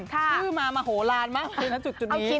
ชื่อมามโหลานนะจุดนี้